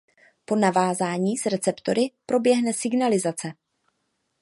Po navázání s receptory proběhne signalizace.